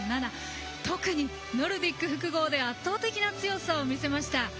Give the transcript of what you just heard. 特にノルディック複合では圧倒的な強さを見せました。